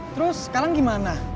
terus sekarang gimana